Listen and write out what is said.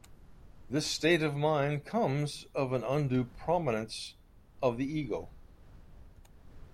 This state of mind comes of an undue prominence of the ego.